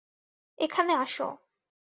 এখানে আসো!